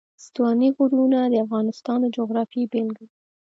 ستوني غرونه د افغانستان د جغرافیې بېلګه ده.